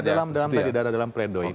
dalam tapi tidak ada dalam pleidoy